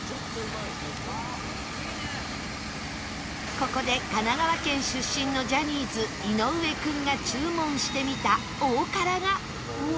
ここで神奈川県出身のジャニーズ井上君が注文してみた大辛が！